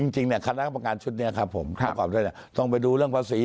จริงเนี่ยคณะประการชุดเนี่ยครับผมต้องไปดูเรื่องภาษี